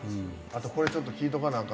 あとこれちょっと聞いとかなあ